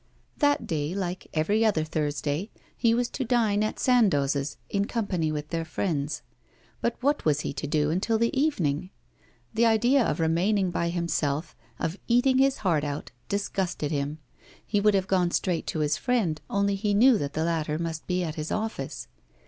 That day, like every other Thursday, he was to dine at Sandoz's, in company with their friends. But what was he to do until the evening? The idea of remaining by himself, of eating his heart out, disgusted him. He would have gone straight to his friend, only he knew that the latter must be at his office.